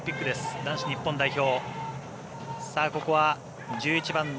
男子日本代表。